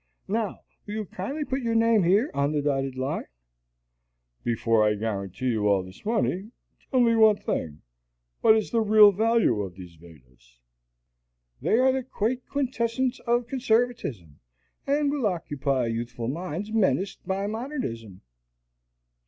Now will you kindly put your name here on the dotted line?" "Before I guarantee you all this money, tell me one thing. What is the real value of these Vedas?" "They are the quaint quintessence of conservatism, and will occupy youthful minds menaced by modernism."